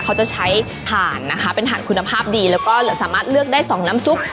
เขาจะใช้ถ่านนะคะเป็นถ่านคุณภาพดีแล้วก็สามารถเลือกได้สองน้ำซุป